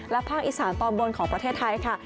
และภาคอิสรรค์ตอนบนของประเทศไทยค่ะ